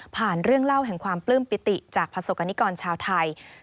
เรื่องเล่าแห่งความปลื้มปิติจากประสบกรณิกรชาวไทย